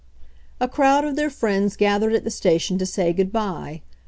A crowd of their friends gathered at the sta tion to say good by.